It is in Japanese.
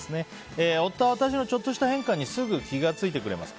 夫は私のちょっとした変化にすぐ気が付いてくれます。